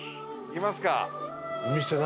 行きますか。